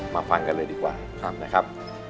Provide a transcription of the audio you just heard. ฟังกันเลยดีกว่านะครับ